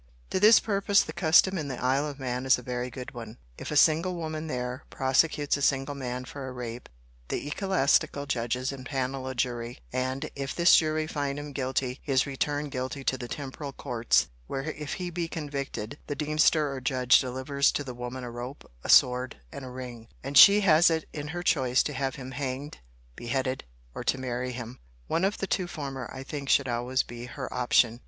To this purpose the custom in the Isle of Man is a very good one—— 'If a single woman there prosecutes a single man for a rape, the ecclesiastical judges impannel a jury; and, if this jury find him guilty, he is returned guilty to the temporal courts: where if he be convicted, the deemster, or judge, delivers to the woman a rope, a sword, and a ring; and she has it in her choice to have him hanged, beheaded, or to marry him.' One of the two former, I think, should always be her option.